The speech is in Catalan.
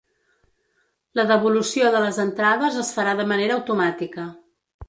La devolució de les entrades es farà de manera automàtica.